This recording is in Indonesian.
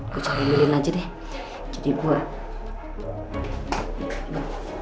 gua cari beli lagi deh jadi buat